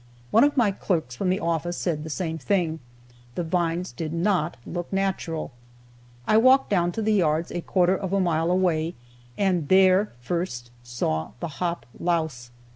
One of my clerks from the office said the same thing the vines did not look natural. I walked down to the yards, a quarter of a mile away, and there first saw the hop louse.